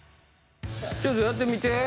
ちょっとやってみて。